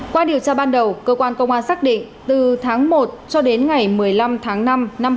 qua điều tra ban đầu cơ quan công an xác định từ tháng một cho đến ngày một mươi năm tháng năm năm hai nghìn hai mươi ba